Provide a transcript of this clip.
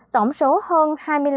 tổng số hơn hai mươi năm